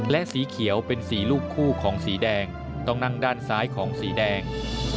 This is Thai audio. และสีเขียวเป็นสีลูกคู่ของสีแดงต้องนั่งด้านซ้ายของสีแดง